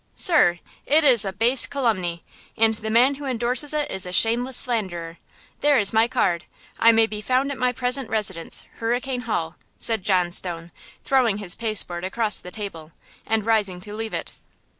"Sir, it is a base calumny! And the man who endorses it is a shameless slanderer! There is my card! I may be found at my present residence, Hurricane Hall," said John Stone, throwing his pasteboard across the table, and rising to leave it.